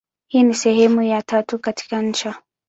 Hii ni sehemu ya tatu katika insha.